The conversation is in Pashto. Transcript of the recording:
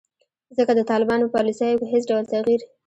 ځکه د طالبانو په پالیسیو کې هیڅ ډول تغیر